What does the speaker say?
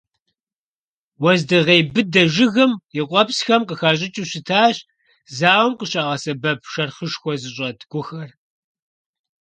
Уэздыгъей быдэ жыгым и къуэпсхэм къыхащӀыкӀыу щытащ зауэм къыщагъэсэбэп, шэрхъышхуэ зыщӀэт гухэр.